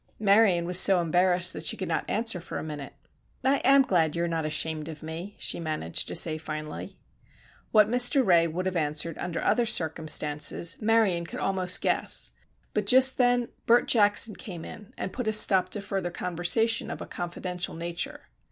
Marion was so embarrassed that she could not answer for a minute. "I am glad you are not ashamed of me," she managed to say finally. What Mr. Ray would have answered under other circumstances Marion could almost guess, but just then Bert Jackson came in and put a stop to further conversation of a confidential nature.